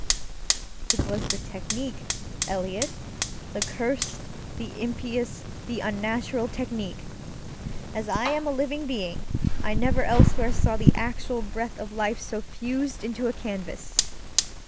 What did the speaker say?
It was the technique, EliotŌĆöthe cursed, the impious, the unnatural technique! As I am a living being, I never elsewhere saw the actual breath of life so fused into a canvas.